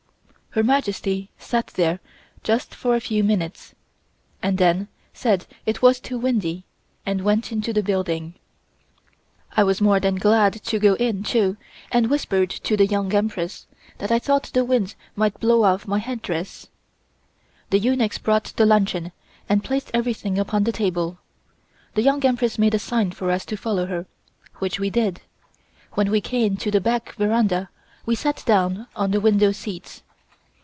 Her Majesty sat there just for a few minutes, and then said it was too windy and went into the building. I was more than glad to go in, too, and whispered to the Young Empress that I thought the wind might blow off my headdress. The eunuchs brought the luncheon and placed everything upon the table. The Young Empress made a sign for us to follow her, which we did. When we came to the back veranda we sat down on the window seats.